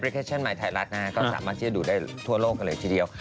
ก็สามารถได้ดูได้ตัวโลกกันเลยทีเดียว